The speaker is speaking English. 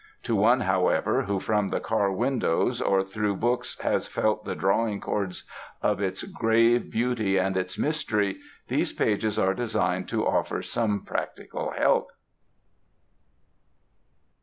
To one, however, who from the car windows or through books has felt the drawing cords of its grave beauty and its mystery, these pages are designed to offer some practical help.